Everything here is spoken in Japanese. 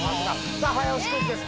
さぁ早押しクイズです